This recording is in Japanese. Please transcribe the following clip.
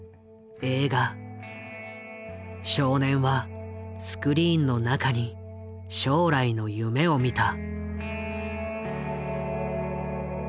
少年はスクリーンの中に将来の夢を見た。